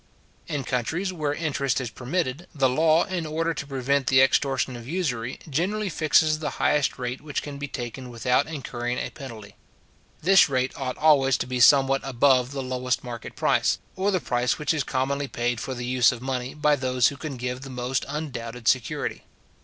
In countries where interest is permitted, the law in order to prevent the extortion of usury, generally fixes the highest rate which can be taken without incurring a penalty. This rate ought always to be somewhat above the lowest market price, or the price which is commonly paid for the use of money by those who can give the most undoubted security.